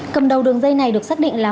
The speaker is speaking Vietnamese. cầm đầu đường dây này được xác định là